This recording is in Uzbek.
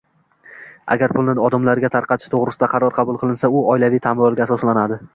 Agar pulni odamlarga tarqatish to'g'risida qaror qabul qilinsa, u oilaviy tamoyilga asoslanadi